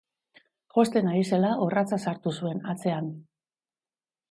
Josten ari zela, orratza sartu zuen hatzean